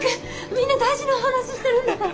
みんな大事なお話ししてるんだから。